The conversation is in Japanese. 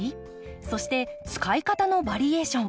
そして使い方のバリエーション。